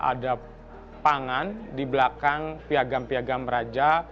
ada pangan di belakang piagam piagam raja